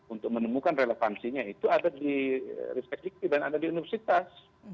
untuk menemukan relevansinya itu ada di rispek dikti dan ada di universitas